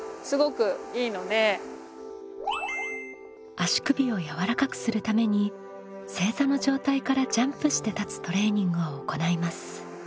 足首を柔らかくするために正座の状態からジャンプして立つトレーニングを行います。